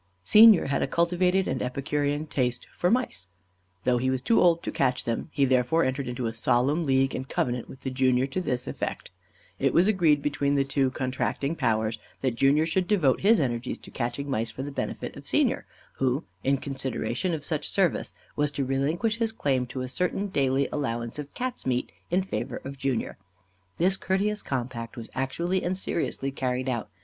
Senior had a cultivated and epicurean taste for mice, though he was too old to catch them; he therefore entered into a solemn league and covenant with the junior to this effect: It was agreed between the two contracting powers, that Junior should devote his energies to catching mice for the benefit of Senior, who, in consideration of such service, was to relinquish his claim to a certain daily allowance of Cat's meat in favour of Junior. This courteous compact was actually and seriously carried out.